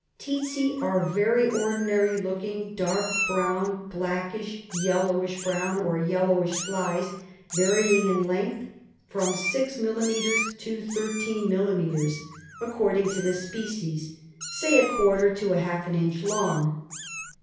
Tsetse are very ordinary looking, dark brown, blackish, yellowish brown, or yellowish flies, varying in length from six millimetres to 13 millimetres, according to the species, say Jin. to Jin. long.